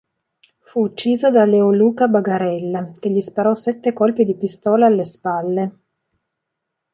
Fu ucciso da Leoluca Bagarella, che gli sparò sette colpi di pistola alle spalle.